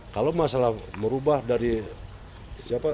kalau masalah merubah dari siapa